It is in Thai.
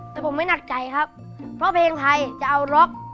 แต่ผมไม่หนักใจครับเพราะเพลงไทยจะเอาร็อก